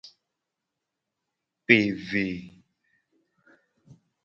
Pe ve.